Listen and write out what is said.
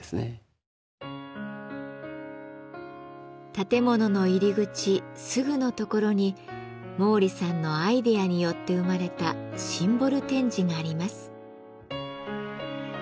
建物の入り口すぐのところに毛利さんのアイデアによって生まれたシンボル展示があります。